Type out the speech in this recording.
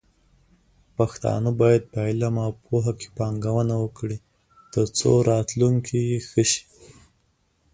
پښتانه بايد په علم او پوهه کې پانګونه وکړي، ترڅو راتلونکې يې ښه شي.